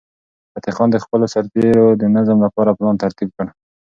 فتح خان د خپلو سرتیرو د نظم لپاره پلان ترتیب کړ.